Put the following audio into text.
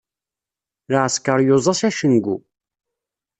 Lɛesker yuẓa s acengu.